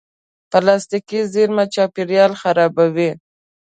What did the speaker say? پلاستيکي زېرمه چاپېریال خرابوي.